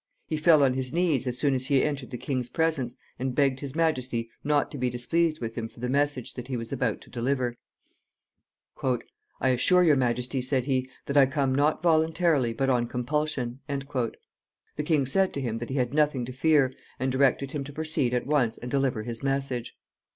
He fell on his knees as soon as he entered the king's presence, and begged his majesty not to be displeased with him for the message that he was about to deliver. "I assure your majesty," said he, "that I come not voluntarily, but on compulsion." The king said to him that he had nothing to fear, and directed him to proceed at once and deliver his message.